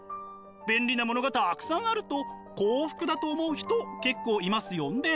便利なものがたくさんあると幸福だと思う人結構いますよね。